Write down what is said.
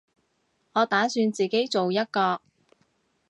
我打算自己做一個